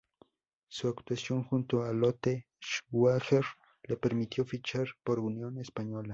Su actuación junto a Lota Schwager le permitió fichar por Unión Española.